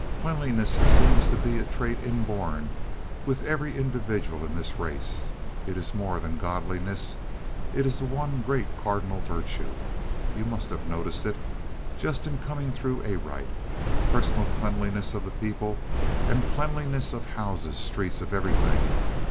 "Cleanliness seems to be a trait inborn with every individual in this race. It is more than godliness; it is the one great cardinal virtue. You must have noticed it, just in coming through Arite. Personal cleanliness of the people, and cleanliness of houses, streets of everything.